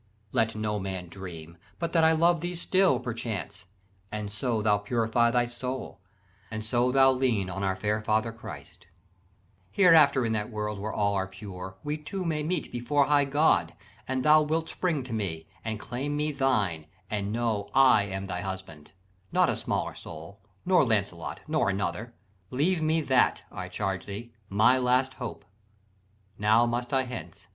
... Let no man dream, but that I love thee still, Perchance, and so thou purify thy soul, And so thou lean on our fair father Christ, Hereafter in that world where all are pure We two may meet before high God, and thou Wilt spring to me, and claim me thine, and know I am thine husband not a smaller soul, Nor Lancelot, nor another. Leave me that, I charge thee, my last hope. Now must I hence.